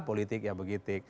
politik ya begitu